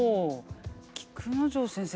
菊之丞先生